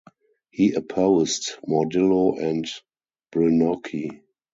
He opposed Mordillo and Brynocki.